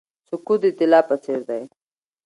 سکوت د طلا په څیر دی.